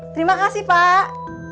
terima kasih pak